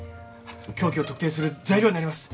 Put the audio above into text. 凶器を特定する材料になります。